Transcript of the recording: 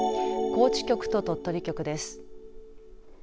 高知局と鳥取局です。